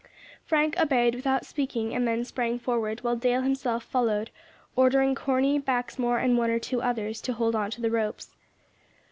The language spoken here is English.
Frank obeyed without speaking and then sprang forward, while Dale himself followed, ordering Corney, Baxmore, and one or two others, to hold on to the ropes.